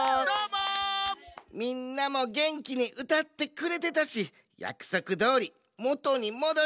みんなもげんきにうたってくれてたしやくそくどおりもとにもどしたる！